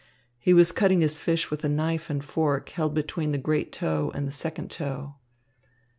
He was cutting his fish with a knife and fork held between the great toe and the second toe.